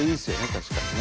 確かにね。